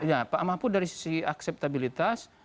ya pak mahfud dari sisi akseptabilitas